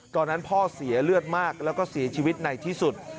ตอนนั้นพ่อเสียเลือดมากแล้วก็เสียชีวิตในที่สุด